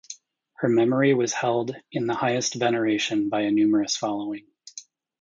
Her memory was held in the highest veneration by a numerous following.